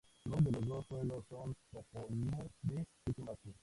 Los nombres de los dos pueblos son topónimos de origen vasco.